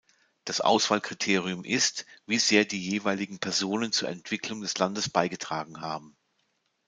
Das Auswahlkriterium ist, wie sehr die jeweiligen Personen zur Entwicklung des Landes beigetragen haben.